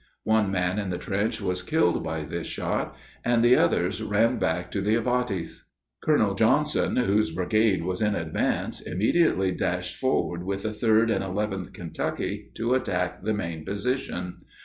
One man in the trench was killed by this shot, and the others ran back to the abatis. Colonel Johnson, whose brigade was in advance, immediately dashed forward with the 3d and 11th Kentucky to attack the main position.